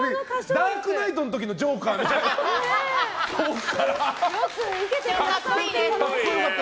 「ダークナイト」の時のジョーカーみたいだった。